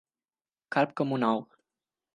Calb com un ou.